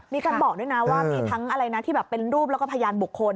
มีการบอกด้วยนะว่ามีทั้งอะไรนะที่แบบเป็นรูปแล้วก็พยานบุคคล